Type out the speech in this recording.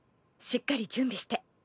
しっかり準備して。